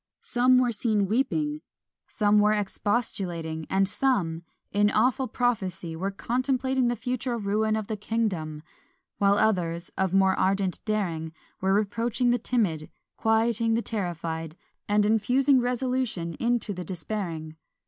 Some were seen weeping, some were expostulating, and some, in awful prophecy, were contemplating the future ruin of the kingdom; while others, of more ardent daring, were reproaching the timid, quieting the terrified, and infusing resolution into the despairing.